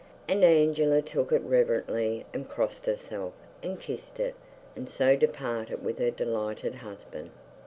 And Angela took it reverently, and crossed herself, and kissed it, and so departed with her delighted husband.